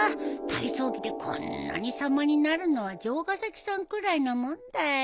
体操着でこんなに様になるのは城ヶ崎さんくらいなもんだよ。